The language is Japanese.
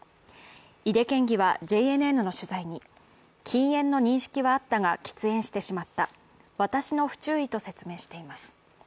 井手県議はＪＮＮの取材に禁煙の認識はあったが喫煙してしまった、私の不注意と説明しています。